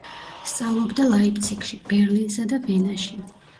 სწავლობდა ლაიფციგში, ბერლინსა და ვენაში.